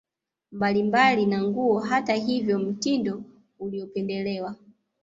mbalimbali na nguo Hata hivyo mtindo uliopendelewa